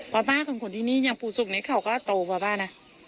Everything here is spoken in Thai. พ่อป๊าของคนที่นี่อย่างภูศุกร์นี้เขาก็โตพ่อป๊านะ